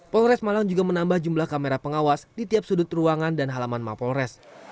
polres malang juga menambah jumlah kamera pengawas di tiap sudut ruangan dan halaman mapolres